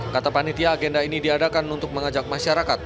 kata panitia agenda ini diadakan untuk mengajak masyarakat